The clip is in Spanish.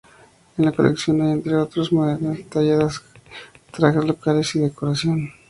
En la colección hay, entre otros, maderas talladas, trajes locales y decoración.